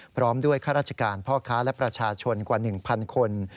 พร้อมด้วยข้าราชการพ่อค้าและประชาชนกว่า๑๐๐คน